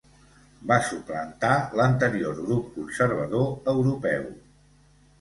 Va suplantar l'anterior Grup Conservador Europeu.